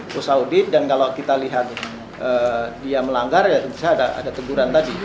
terus audit dan kalau kita lihat dia melanggar ya tentu saja ada teguran tadi